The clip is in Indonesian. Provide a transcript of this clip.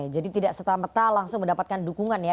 jadi tidak setelah merta langsung mendapatkan dukungan ya